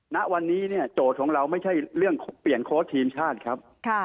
ณวันนี้เนี่ยโจทย์ของเราไม่ใช่เรื่องเปลี่ยนโค้ชทีมชาติครับ